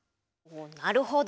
なるほど！